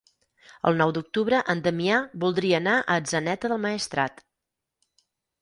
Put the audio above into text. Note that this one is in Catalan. El nou d'octubre en Damià voldria anar a Atzeneta del Maestrat.